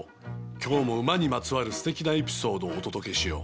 今日も馬にまつわるすてきなエピソードをお届けしよう。